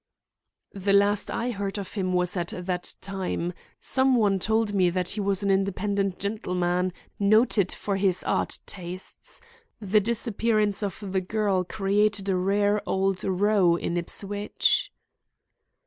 "The last I heard of him was at that time. Some one told me that he was an independent gentleman, noted for his art tastes. The disappearance of the girl created a rare old row in Ipswich."